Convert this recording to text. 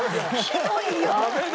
ひどいよ！